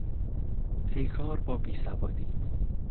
پیکار با بیسوادی